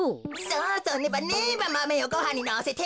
そうそうネバネバマメをごはんにのせて。